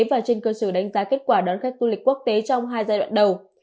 và trên cơ sở đánh giá kết quả đón khách du lịch quốc tế trong hai giai đoạn đầu